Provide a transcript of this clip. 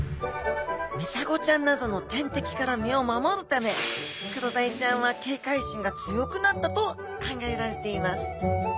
ミサゴちゃんなどの天敵から身を守るためクロダイちゃんは警戒心が強くなったと考えられています